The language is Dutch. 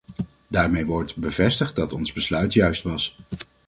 Daarmee wordt bevestigd dat ons besluit juist was.